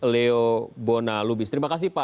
leo bona lubis terima kasih pak